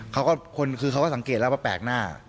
คือเขาก็สังเกตแล้วแปลกหน้า